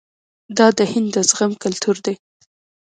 دا د هند د زغم کلتور دی.